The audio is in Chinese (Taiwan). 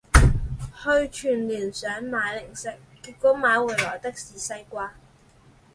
去全聯想買零食，結果買回來的是西瓜